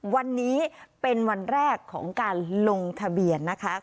วันนี้เป็นวันแรกของการลงทะเบียนนะคะ